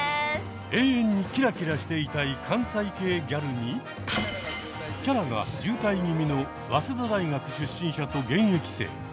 永遠にキラキラしていたい関西系ギャルにキャラが渋滞気味の早稲田大学出身者と現役生。